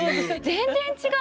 全然違う。